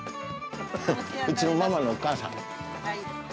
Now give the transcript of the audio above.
うちのママのお母さん。